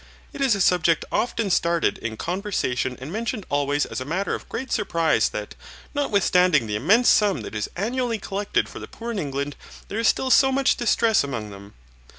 It is a subject often started in conversation and mentioned always as a matter of great surprise that, notwithstanding the immense sum that is annually collected for the poor in England, there is still so much distress among them.